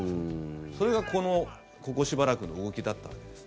それがここしばらくの動きだったわけです。